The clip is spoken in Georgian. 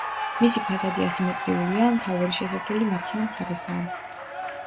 მისი ფასადი ასიმეტრიულია, მთავარი შესასვლელი მარცხენა მხარესაა.